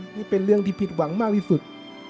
นี่เป็นเรื่องที่ผิดหวังมากที่สุด